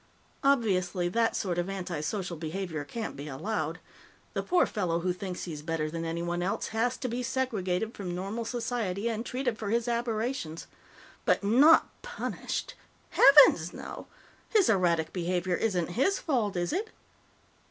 Obviously, that sort of antisocial behavior can't be allowed. The poor fellow who thinks he's better than anyone else has to be segregated from normal society and treated for his aberrations. But not punished! Heavens no! His erratic behavior isn't his fault, is it?